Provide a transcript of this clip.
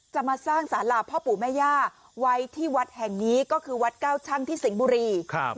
จะมาสร้างสาราพ่อปู่แม่ย่าไว้ที่วัดแห่งนี้ก็คือวัดเก้าชั่งที่สิงห์บุรีครับ